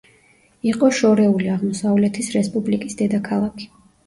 იყო შორეული აღმოსავლეთის რესპუბლიკის დედაქალაქი.